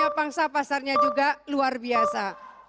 dia mau bertanam sejumlah pangsa pasarnya juga luar biasa